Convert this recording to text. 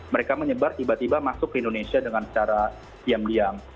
mereka menyebar tiba tiba masuk ke indonesia dengan secara diam diam